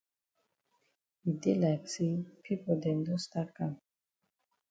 E dey like say pipo dem don stat kam.